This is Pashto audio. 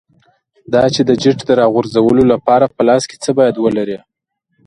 دا چې د جیټ د راغورځولو لپاره په لاس کې څه باید ولرې.